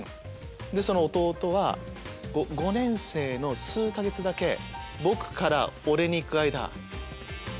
その弟は５年生の数か月だけ「僕」から「俺」に行く間。